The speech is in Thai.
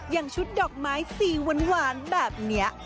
อย่างชุดดอกไม้สีหวานแบบนี้